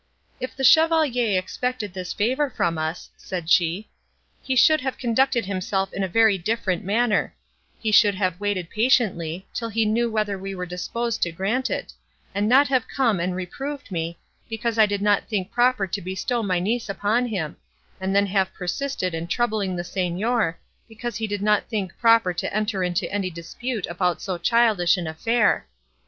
"If the chevalier expected this favour from us," said she, "he should have conducted himself in a very different manner; he should have waited patiently, till he knew whether we were disposed to grant it, and not have come and reproved me, because I did not think proper to bestow my niece upon him, and then have persisted in troubling the Signor, because he did not think proper to enter into any dispute about so childish an affair.